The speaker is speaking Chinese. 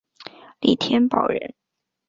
李添保人。